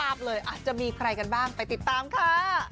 อาจจะมีใครกันบ้างไปติดตามค่ะ